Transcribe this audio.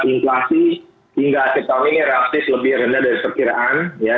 inflasi hingga akhir tahun ini real estate lebih rendah dari perkiraan ya